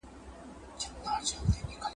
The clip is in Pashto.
ټول پر دي مو وي شړلي خپل وطن خپل مو اختیار کې ,